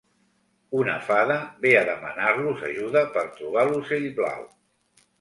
Una fada ve a demanar-los ajuda per trobar l'ocell blau.